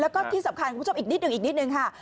แล้วก็ที่สำคัญคุณผู้ชมอีกนิดหนึ่งอีกนิดนึงค่ะ